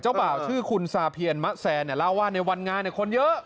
เจ้าบ่าวชื่อคุณสาเพียรมะแสนเนี่ยเล่าว่าในวันงานเนี่ยคนเยอะ